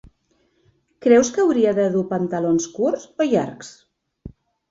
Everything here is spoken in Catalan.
Creus que hauria de dur pantalons curts o llargs?